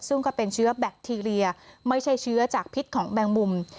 ซึ่งก็เป็นเชื้อแบคทีเรียไม่ใช่เชื้อจากพิษของแมงมุม